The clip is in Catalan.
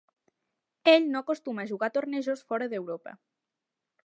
Ell no acostuma a jugar a tornejos fora d'Europa.